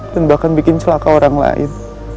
dan bahkan bikin celaka orang lain